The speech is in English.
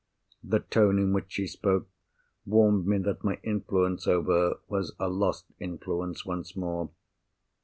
The tone in which she spoke warned me that my influence over her was a lost influence once more.